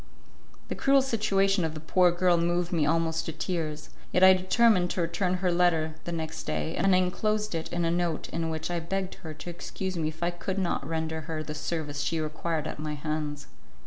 The cruel situation of the poor girl moved me almost to tears; yet I determined to return her letter the next day, and I enclosed it in a note in which I begged her to excuse me if I could not render her the service she required at my hands.